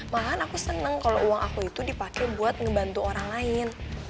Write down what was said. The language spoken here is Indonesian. malahan aku seneng kalau uang aku itu dipakai buat ngebantu orang lain